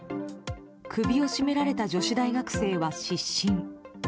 首を絞められた女子大学生は失神。